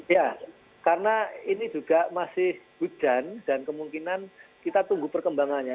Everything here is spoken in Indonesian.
ya karena ini juga masih hujan dan kemungkinan kita tunggu perkembangannya